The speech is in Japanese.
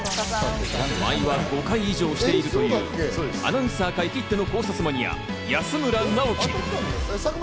毎話５回以上視聴しているというアナウンサー界きっての考察マニア、安村直樹。